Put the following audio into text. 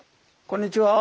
こんにちは。